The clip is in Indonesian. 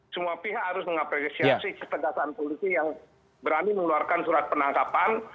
semua pihak harus mengapresiasi ketegasan polisi yang berani mengeluarkan surat penangkapan